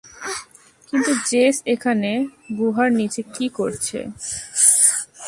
কিন্তু জেস এখানে গুহার নিচে কি করছে?